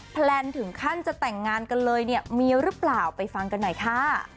แลนถึงขั้นจะแต่งงานกันเลยเนี่ยมีหรือเปล่าไปฟังกันหน่อยค่ะ